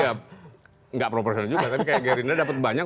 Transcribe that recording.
ya nggak proporsional juga tapi kayak gerindra dapat banyak